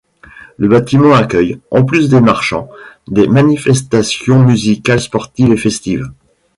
Le bâtiment accueille, en plus des marchands, des manifestations musicales sportives et festives.